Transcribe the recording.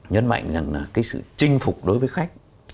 nhấn mạnh rằng là cái sự chinh phục đối với khách